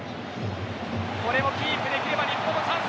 これもキープできれば日本のチャンス。